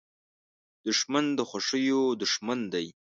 دښمن د خوښیو دوښمن دی